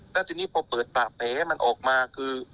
แล้วทีนี้พอเปิดปากแผลให้มันออกมาคือ